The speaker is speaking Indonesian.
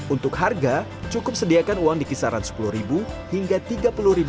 untuk harga cukup sediakan uang di kisaran rp sepuluh hingga rp tiga puluh